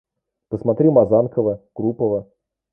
Посмотри Мазанкова, Крупова.